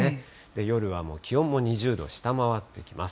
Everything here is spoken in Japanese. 夜はもう気温も２０度を下回ってきます。